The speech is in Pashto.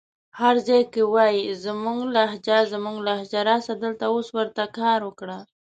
هر ځای کې وايې زموږ لهجه زموږ لهجه راسه دلته اوس ورته کار وکړه